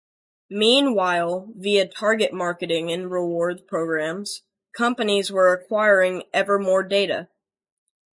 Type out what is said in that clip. Meanwhile, via target marketing and rewards programs, companies were acquiring ever more data.